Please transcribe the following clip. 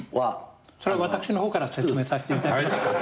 それは私の方から説明させていただきますか。